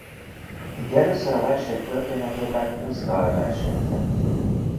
Így először a verseny történetében húsz dal versenyzett.